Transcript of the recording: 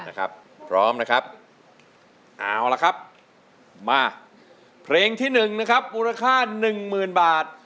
เอาละครับมาเพลงที่๑นะครับมูลค่า๑๐๐๐๐บาท